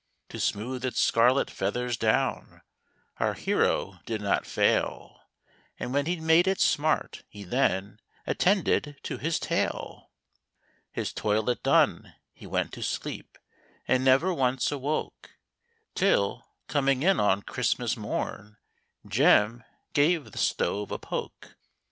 To smooth its scarlet feathers down, Our hero did not fail, And when he'd made it smart, he then Attended to his tail ! His toilet done, he went to sleep, And never once awoke, Till, coming in on Christmas morn Jem gave the stove a poke.